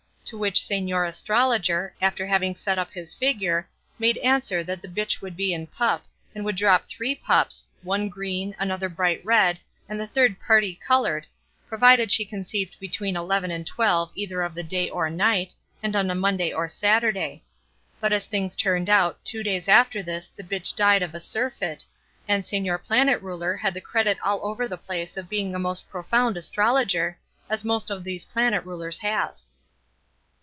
To which señor astrologer, after having set up his figure, made answer that the bitch would be in pup, and would drop three pups, one green, another bright red, and the third parti coloured, provided she conceived between eleven and twelve either of the day or night, and on a Monday or Saturday; but as things turned out, two days after this the bitch died of a surfeit, and señor planet ruler had the credit all over the place of being a most profound astrologer, as most of these planet rulers have."